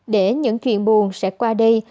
để những chuyện buồn sẽ qua đi